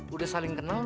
udah saling kenal lu